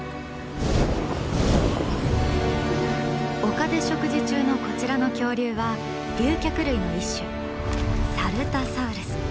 丘で食事中のこちらの恐竜は竜脚類の一種サルタサウルス。